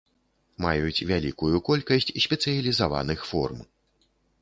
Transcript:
Маюць вялікую колькасць спецыялізаваных форм.